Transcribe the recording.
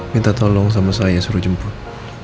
minta tolong sama saya suruh jemput